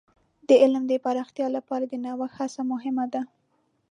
د علم د پراختیا لپاره د نوښت هڅه مهمه ده.